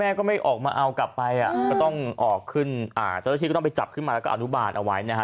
ก็ไม่ออกมาเอากลับไปอ่ะก็ต้องออกขึ้นอ่าเจ้าหน้าที่ก็ต้องไปจับขึ้นมาแล้วก็อนุบาลเอาไว้นะฮะ